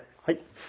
はい。